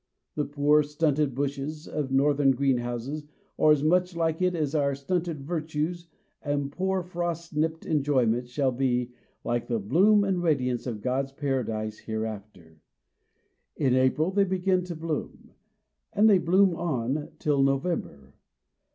The poor stunted bushes of Northern greenhouses are as much like it as our stunted virtues and poor frost nipped enjoyments shall be like the bloom and radiance of God's paradise hereafter. In April they begin to bloom; and they bloom on till November.